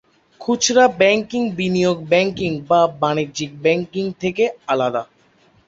খুচরা ব্যাংকিং বিনিয়োগ ব্যাংকিং বা বাণিজ্যিক ব্যাংকিং থেকে আলাদা।